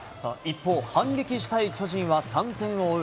反撃したい巨人は３点を追う